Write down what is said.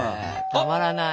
たまらない。